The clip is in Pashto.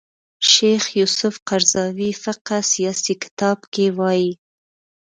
شیخ یوسف قرضاوي فقه سیاسي کتاب کې وايي